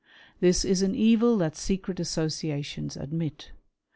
This " is an evil that secret associations admit.